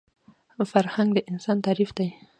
فرهنګ د انسان تعریف دی